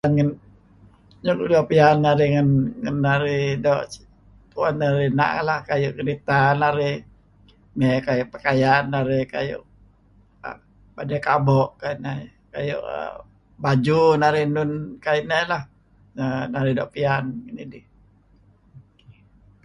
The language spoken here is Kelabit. Luk luk doo' piyan narih doo' tu'en narih na' lah, kayu' kereta narih, kayu' pakaian narih, kayu' baney kabo kayu' ineh, baju narih, enun lah, narih doo' piyan ngen idih.